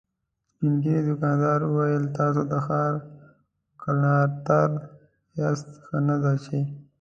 سپين ږيری دوکاندار وويل: تاسو د ښار کلانتر ياست، ښه نه ده چې…